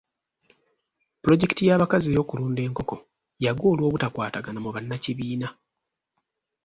Pulojekiti y'abakazi ey'okulunda enkoko yagwa olw'obutakwatagana mu bannakibiina.